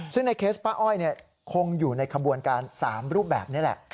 ซึ่งในเคสป้าอ้อยคงอยู่ในขบวนการ๓รูปแบบนี้แหละ